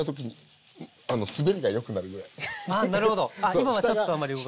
今はちょっとあんまり動かない。